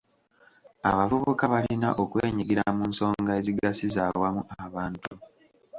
Abavubuka balina okwenyigira mu nsonga ezigasiza awamu abantu.